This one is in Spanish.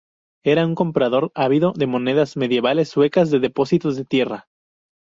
Era un comprador ávido de monedas medievales suecas de depósitos de tierra.